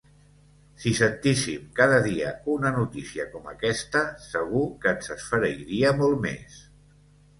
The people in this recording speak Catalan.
Si sentíssim cada dia una notícia com aquesta, segur que ens esfereiria molt més.